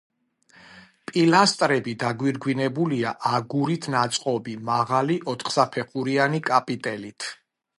პილასტრები დაგვირგვინებულია აგურით ნაწყობი მაღალი ოთხსაფეხურიანი კაპიტელით.